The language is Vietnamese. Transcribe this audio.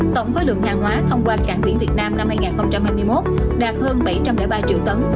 tổng khối lượng hàng hóa thông qua cảng biển việt nam năm hai nghìn hai mươi một đạt hơn bảy trăm linh ba triệu tấn